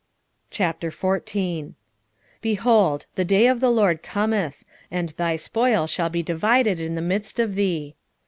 14:1 Behold, the day of the LORD cometh, and thy spoil shall be divided in the midst of thee.